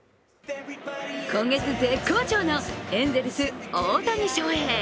今月絶好調のエンゼルス・大谷翔平。